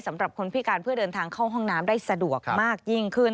สำหรับคนพิการเพื่อเดินทางเข้าห้องน้ำได้สะดวกมากยิ่งขึ้น